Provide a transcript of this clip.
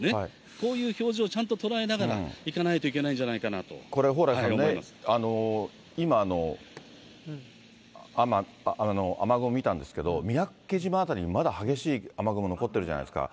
こういう表情をちゃんと捉えながらいかないといけないんじゃないこれ、蓬莱さんね、今の雨雲見たんですけど、三宅島辺りにまだ激しい雨雲残ってるじゃないですか。